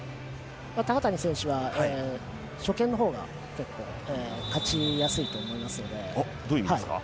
高谷選手は初見のほうが結構、勝ちやすいと思います。